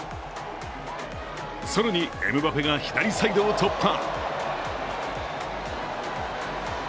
更に、エムバペが左サイドを突破。